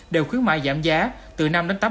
đều khuyến mại giảm giá từ năm tám mươi